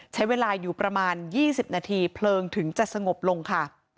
ใช้เวลาอยู่ประมาณ๒๐นาทีเพลิงถึงจะสงบลงค่ะ